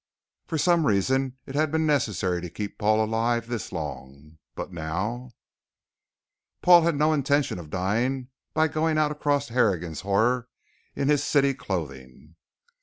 For some reason it had been necessary to keep Paul alive this long, but now But Paul had no intention of dying by going out across Harrigan's Horror in his city clothing.